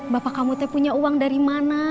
bapak kamu teh punya uang dari mana